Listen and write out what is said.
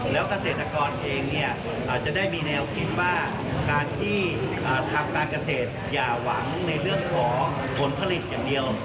แล้วเกษตรกรเองจะได้มีแนวคิดว่าการที่ทำการเกษตรอย่าหวังในเรื่องของผลผลิตอย่างเดียว